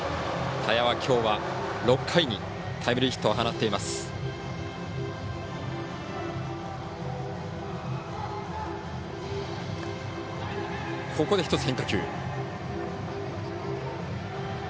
田屋はきょうは６回にタイムリーヒットを放っています。